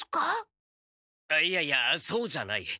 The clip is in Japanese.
あっいやいやそうじゃない。